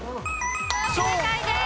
正解です。